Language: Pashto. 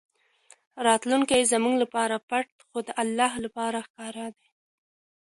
راتلونکی زموږ لپاره پټ خو د الله لپاره ښکاره دی.